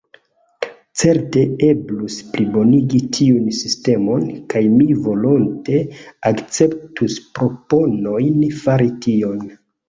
Certe eblus plibonigi tiun sistemon, kaj mi volonte akceptus proponojn fari tion.